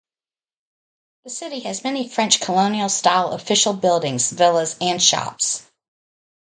The city has many French colonial style official buildings, villas and shops.